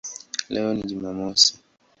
Leo ni Jumamosi".